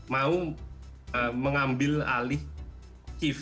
mau mengambil alih kif